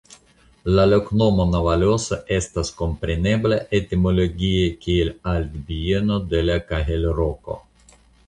La loknomo "Navalosa" estas komprenebla etimologie kiel Altbieno de la Kahelroko.